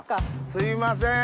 すいません